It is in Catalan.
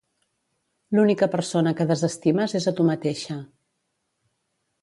L'única persona que desestimes és a tu mateixa.